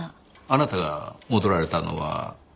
あなたが戻られたのは？